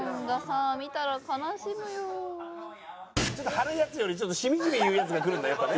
張るやつよりしみじみ言うやつがくるんだやっぱね。